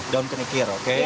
daun kenikir oke